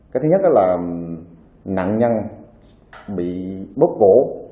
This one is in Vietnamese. cái thứ nhất là nạn nhân bị bóp cổ